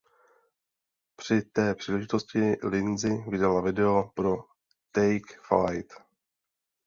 Při té příležitosti Lindsey vydala video pro Take Flight.